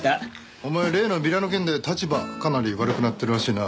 お前例のビラの件で立場かなり悪くなってるらしいな。